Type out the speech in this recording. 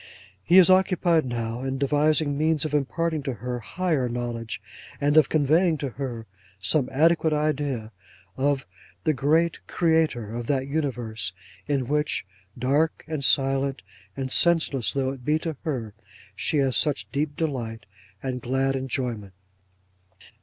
He is occupied now, in devising means of imparting to her, higher knowledge; and of conveying to her some adequate idea of the Great Creator of that universe in which, dark and silent and scentless though it be to her, she has such deep delight and glad enjoyment.